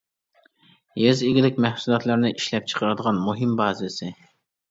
يېزا ئىگىلىك مەھسۇلاتلىرىنى ئىشلەپچىقىرىدىغان مۇھىم بازىسى.